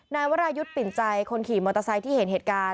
นายวรายุทธ์ปิ่นใจคนขี่มอเตอร์ไซค์ที่เห็นเหตุการณ์